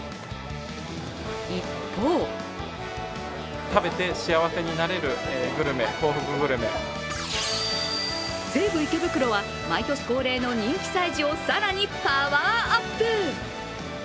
一方西武池袋は毎年恒例の人気催事を更にパワーアップ。